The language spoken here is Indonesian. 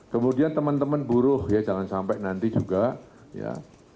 kemudian teman teman buruh ya jangan sampai nanti juga ya